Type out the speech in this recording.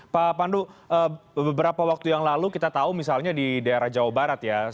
pak pandu beberapa waktu yang lalu kita tahu misalnya di daerah jawa barat ya